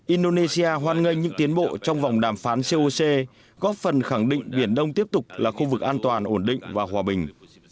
indonesia hoan nghênh những tiến bộ trong vòng đàm phán coc góp phần khẳng định biển đông tiếp tục là khu vực an toàn ổn định và hòa bình